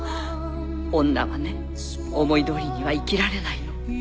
女はね思いどおりには生きられないの。